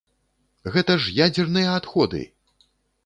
Гэта ж ядзерныя адходы!